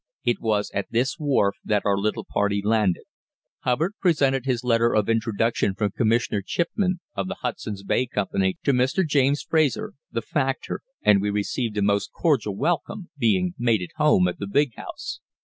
It was at this wharf that our little party landed. Hubbard presented his letter of introduction from Commissioner Chipman of the Hudson's Bay Company to Mr. James Fraser, the factor, and we received a most cordial welcome, being made at home at the Big House.